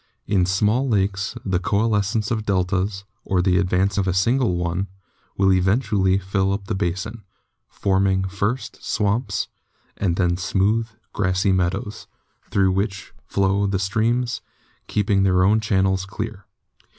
In small lakes the coalescence of deltas, or the advance of a single one, will eventually fill up the basin, forming first swamps and then smooth, grassy meadows, through which flow the streams, keeping their own channels clear.